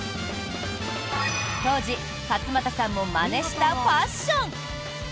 当時、勝俣さんもまねしたファッション。